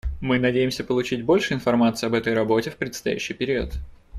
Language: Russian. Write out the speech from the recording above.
Мы надеемся получить больше информации об этой работе в предстоящий период.